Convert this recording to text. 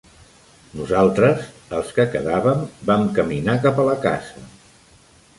Nosaltres, els que quedàvem, vam caminar cap a la casa.